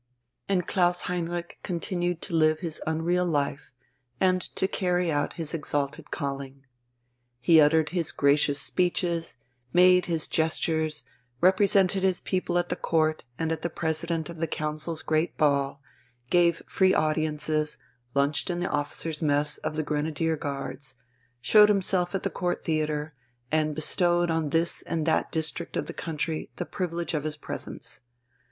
And Klaus Heinrich continued to live his unreal life, and to carry out his exalted calling. He uttered his gracious speeches, made his gestures, represented his people at the Court and at the President of the Council's great ball, gave free audiences, lunched in the officers' mess of the Grenadier Guards, showed himself at the Court Theatre, and bestowed on this and that district of the country the privilege of his presence.